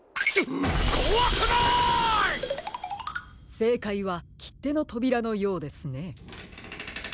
せいかいはきってのとびらのようですね。